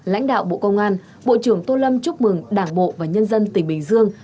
lãnh đạo bộ công an bộ trưởng tô lâm chúc mừng đảng bộ và nhân dân tỉnh bình dương